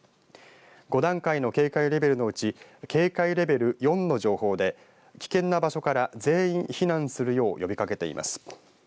５段階の警戒レベルのうち警戒レベル４の情報で危険な場所から全員避難するよう呼びかけています。